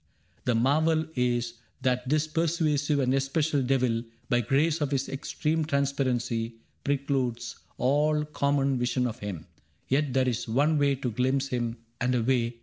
The marvel is That this persuasive and especial devil. By grace of his extreme transparency. Precludes all common vision of him ; yet There is one way to glimpse him and a way.